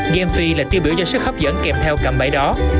gamefee là tiêu biểu do sức hấp dẫn kèm theo cạm bãi đó